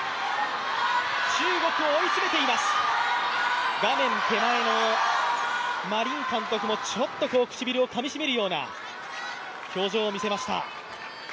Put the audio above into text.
中国を追い詰めています、画面手前の馬琳監督もちょっと唇をかみしめるような表情を見せました。